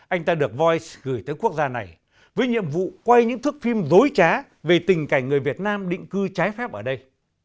anh ta được voice gửi tới quốc gia này với nhiệm vụ quay những thước phim dối trá về tình cảnh người việt nam định cư trái phép ở đây